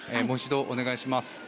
もう一度お願いします。